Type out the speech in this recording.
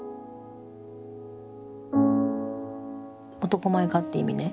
男前かって意味ね。